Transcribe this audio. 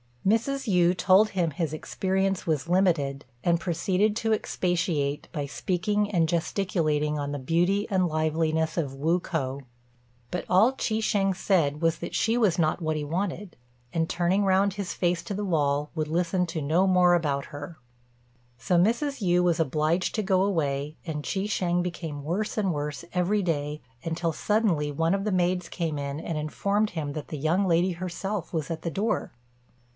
Mrs. Yü told him his experience was limited, and proceeded to expatiate by speaking and gesticulating on the beauty and liveliness of Wu k'o. But all Chi shêng said was that she was not what he wanted, and, turning round his face to the wall, would listen to no more about her. So Mrs. Yü was obliged to go away, and Chi shêng became worse and worse every day, until suddenly one of the maids came in and informed him that the young lady herself was at the door.